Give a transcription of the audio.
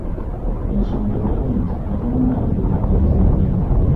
Ensonga yali nti abamu baali beeyagaliza nnyo.